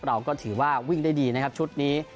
เราก็ถือว่าวิ่งได้ดีนะครับชุดนี้